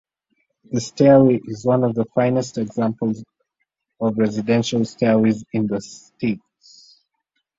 The stairway is one of the finest examples of residential stairways in the state.